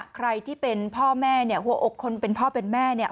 ใครที่เป็นพ่อแม่เนี่ยหัวอกคนเป็นพ่อเป็นแม่เนี่ย